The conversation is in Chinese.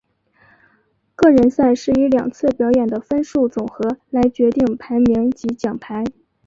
个人赛是以两次表演的分数总和来决定排名及奖牌。